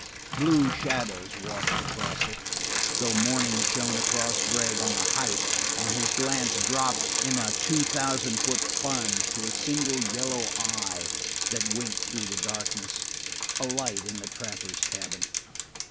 Blue shadows washed across it, though morning shone around Gregg on the height, and his glance dropped in a two thousand foot plunge to a single yellow eye that winked through the darkness, a light in the trapper's cabin.